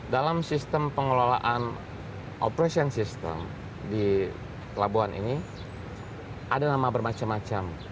dalam sistem pengelolaan operation system di pelabuhan ini ada nama bermacam macam